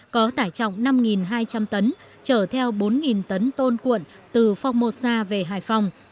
có tải trọng năm hai trăm linh tấn chở theo bốn tấn tôn cuộn từ phongmosa về hải phòng